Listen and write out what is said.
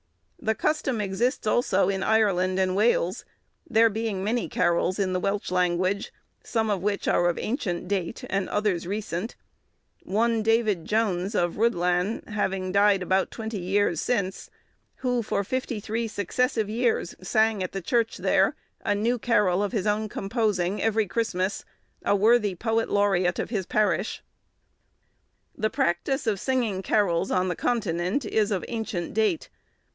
The custom exists also in Ireland and Wales, there being many carols in the Welch language, some of which are of ancient date, and others recent; one David Jones, of Rhuddlan, having died about twenty years since, who for fifty three successive years, sang at the church there, a new carol of his own composing every Christmas; a worthy poet laureat of his parish. The practice of singing carols on the Continent is of ancient date.